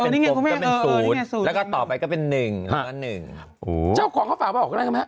นี่ไงนี่ไงต่อไปก็เป็น๑๑๑จ้าวของเขาฝากบอกได้ไหม